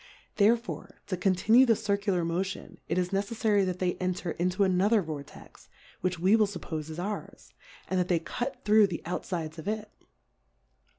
Therefore, to conti nue the Circular Motion, it is neceffary that they enter into another Vortex, which we will fuppofe is ours, and that they cut through the outfides of it.